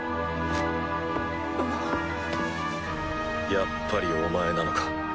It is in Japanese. やっぱりお前なのか。